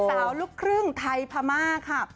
สาวลูกครึ่งไทยภามากค่ะ